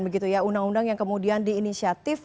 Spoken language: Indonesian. begitu ya undang undang yang kemudian diinisiatif